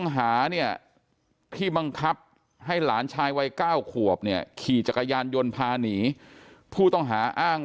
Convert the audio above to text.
ให้หลานชายวัย๙ขวบเนี่ยขี่จักรยานยนต์พาหนีผู้ต้องหาอ้าง